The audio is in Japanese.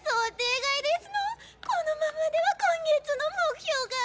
このままでは今月の目標が。